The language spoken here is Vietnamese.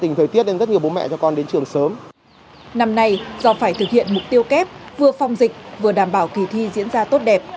năm nay do phải thực hiện mục tiêu kép vừa phòng dịch vừa đảm bảo kỳ thi diễn ra tốt đẹp